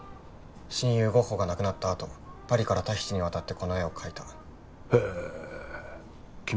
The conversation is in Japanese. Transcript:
親友ゴッホが亡くなったあとパリからタヒチに渡ってこの絵を描いたへえ君